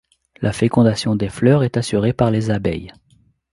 La fécondation des fleurs est assurée par les abeilles.